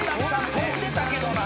跳んでたけどな。